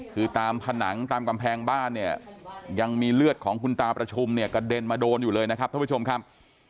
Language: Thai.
คือตามผนังตามกำแพงบ้านเนี่ยยังมีเลือดของคุณตาประชุมเนี่ยกระเด็นมาโดนอยู่เลยนะครับท่านผู้ชมครับ